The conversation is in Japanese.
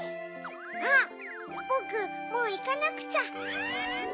あっボクもういかなくちゃ。